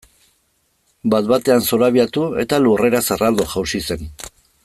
Bat batean zorabiatu eta lurrera zerraldo jausi zen.